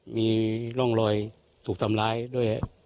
ศีรษะมีร่องรอยถูกสำร้ายด้วย